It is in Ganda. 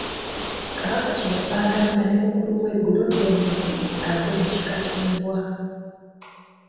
Kabaka kye yava agamba ne mukulu we Gguluddene nti ave mu kika ky'embwa.